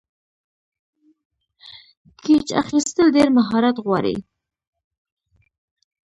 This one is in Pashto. کېچ اخیستل ډېر مهارت غواړي.